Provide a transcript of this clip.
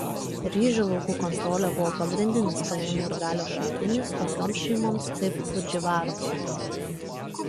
Ryžių laukų kontrolė buvo pagrindinis pajamų ir galios šaltinis tokioms šeimoms kaip Fudživaros.